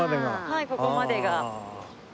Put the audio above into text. はいここまでが。